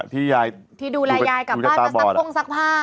ที่ดูแลยายากามกลางกษักโพงซักผ้า